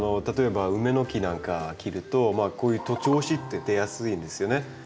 例えば梅の木なんか切るとこういう徒長枝って出やすいんですよね。